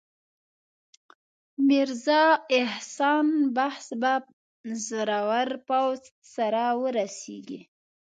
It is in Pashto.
میرزا احسان بخت به زورور پوځ سره ورسیږي.